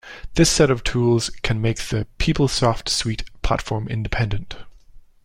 This set of tools can make the PeopleSoft suite platform-independent.